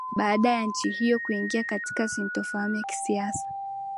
baada ya nchi hiyo kuingia katika sintofahamu ya kisiasa